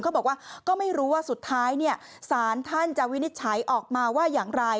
ก็บอกว่าก็ไม่รู้ว่าสุดท้ายศาลท่านจะวินิจฉัยออกมาว่าอย่างไร